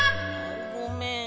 ごめん。